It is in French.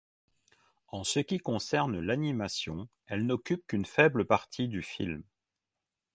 En ce qui concerne l'animation, elle n'occupe qu'une faible partie du film.